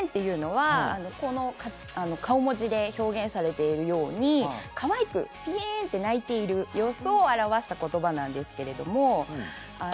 Ａはこの顔文字で表現されているようにかわいくピエーンと泣いている様子を表した言葉です。